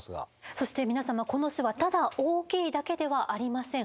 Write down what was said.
そして皆様この巣はただ大きいだけではありません。